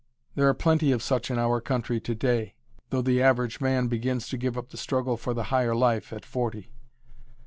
There are plenty of such in our country to day, though the average man begins to give up the struggle for the higher life at forty.